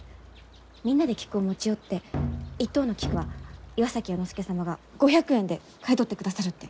みんなで菊を持ち寄って一等の菊は岩崎弥之助様が５００円で買い取ってくださるって。